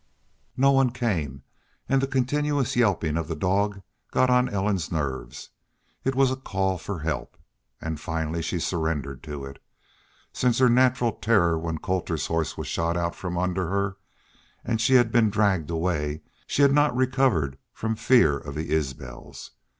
No one came, and the continuous yelping of the dog got on Ellen's nerves. It was a call for help. And finally she surrendered to it. Since her natural terror when Colter's horse was shot from under her and she had been dragged away, she had not recovered from fear of the Isbels.